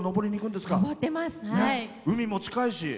海も近いし。